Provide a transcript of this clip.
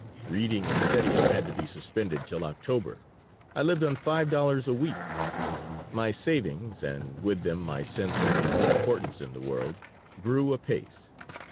Reading and studying had to be suspended till October. I lived on five dollars a week. My savings, and with them my sense of my own importance in the world, grew apace.